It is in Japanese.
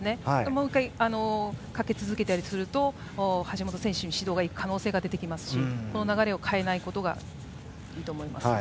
もう１回かけ続けたりすると橋本選手に指導が行く可能性が出てきますしこの流れを変えないほうがいいと思います。